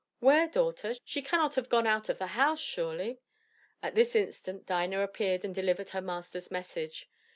"Where, daughter? she cannot have gone out of the house, surely?" At this instant Dinah appeared and delivered her master's message.